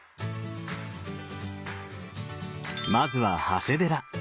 まずは長谷寺。